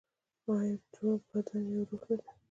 آیا دوه بدن یو روح نه دي؟